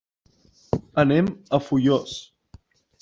Anem a Foios.